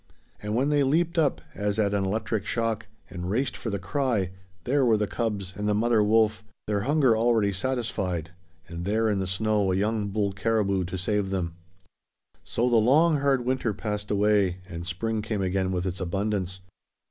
And when they leaped up, as at an electric shock, and raced for the cry, there were the cubs and the mother wolf, their hunger already satisfied, and there in the snow a young bull caribou to save them. So the long, hard winter passed away, and spring came again with its abundance.